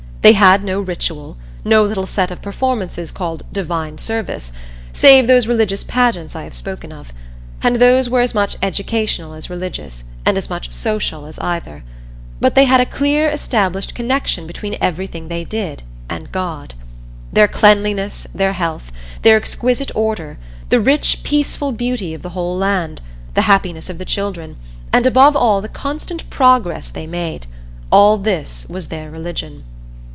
They had no ritual, no little set of performances called "divine service," save those religious pageants I have spoken of, and those were as much educational as religious, and as much social as either. But they had a clear established connection between everything they did and God. Their cleanliness, their health, their exquisite order, the rich peaceful beauty of the whole land, the happiness of the children, and above all the constant progress they made all this was their religion.